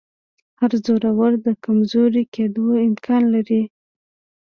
هر زورور د کمزوري کېدو امکان لري